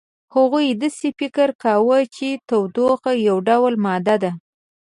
هغوی داسې فکر کاوه چې تودوخه یو ډول ماده ده.